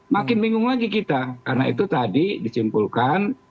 makin bingung lagi kita karena itu tadi disimpulkan